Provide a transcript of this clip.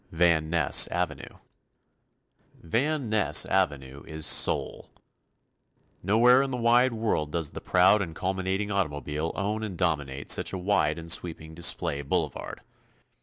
Van Ness Avenue Van Ness avenue is sole. Nowhere in the wide world does the proud and culminating automobile own and dominate such a wide and sweeping display boulevard.